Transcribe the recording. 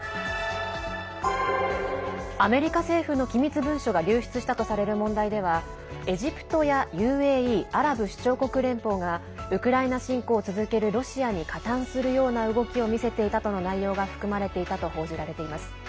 アメリカ政府の機密文書が流出したとされる問題ではエジプトやＵＡＥ＝アラブ首長国連邦がウクライナ侵攻を続けるロシアに加担するような動きを見せていたとの内容が含まれていたと報じられています。